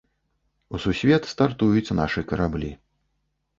У сусвет стартуюць нашы караблі.